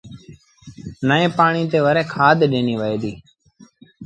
ٽئيٚن پآڻيٚ تي وري کآڌ ڏنيٚ وهي ديٚ